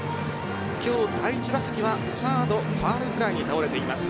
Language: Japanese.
今日第１打席はサードファウルフライに倒れています。